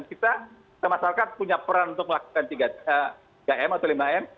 kita masyarakat punya peran untuk melakukan tiga m atau lima m